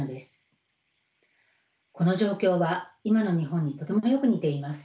この状況は今の日本にとてもよく似ています。